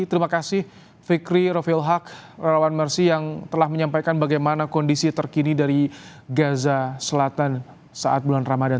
terima kasih fikri rofil haq relawan mersi yang telah menyampaikan bagaimana kondisi terkini dari gaza selatan saat bulan ramadan